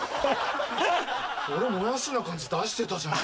俺もやしな感じ出してたじゃん。